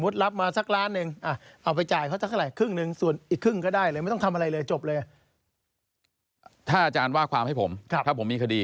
ถ้าอาจารย์ว่าความให้ผมถ้าผมมีคดี